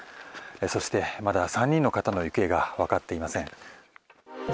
そして、まだ３人の方の行方がわかっていません。